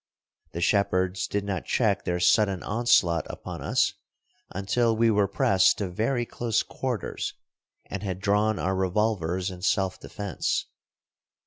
The shepherds did not check their sudden onslaught upon us until we were pressed to very close quarters, and had drawn our revolvers in self defense.